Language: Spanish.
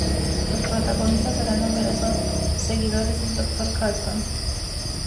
Los protagonistas de la novela son seguidores del Dr. Carton.